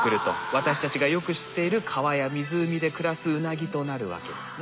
私たちがよく知っている川や湖で暮らすウナギとなるわけですね。